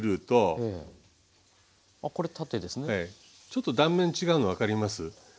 ちょっと断面違うの分かります？